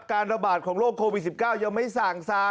ระบาดของโรคโควิด๑๙ยังไม่สั่งซะ